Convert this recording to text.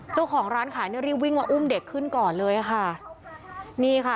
เจ้าของร้านขายเนี่ยรีบวิ่งมาอุ้มเด็กขึ้นก่อนเลยค่ะนี่ค่ะ